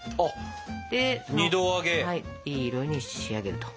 いい色に仕上げると。